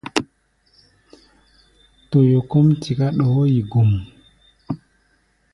Toyo kɔ́ʼm tiká ɗɔɔ́ yi gum.